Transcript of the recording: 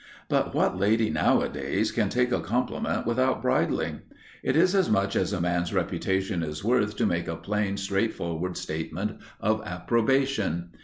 But what lady nowadays can take a compliment without bridling? It is as much as a man's reputation is worth to make a plain, straightforward statement of approbation.